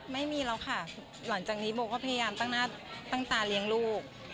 ไม่มีแล้วค่ะหลังจากนี้โบก็พยายามตั้งหน้าตั้งตาเลี้ยงลูก